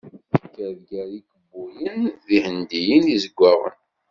Tekker gar ikubuyen d Yihendiyen Izeggaɣen.